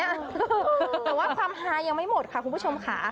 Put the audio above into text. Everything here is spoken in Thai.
แต่ว่าความฮายังไม่หมดค่ะคุณผู้ชมค่ะ